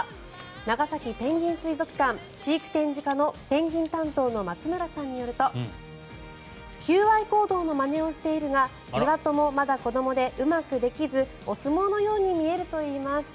長崎ペンギン水族館飼育展示課のペンギン担当の松村さんによると求愛行動のまねをしているが２羽ともまだ子どもでうまくできずお相撲のように見えるといいます。